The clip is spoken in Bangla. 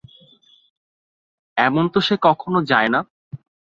এমন তো সে কখনো যায় না।